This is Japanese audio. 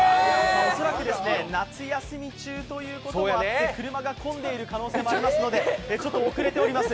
恐らく夏休み中ということもあって、車が混んでいる可能性もありますので、ちょっと遅れております。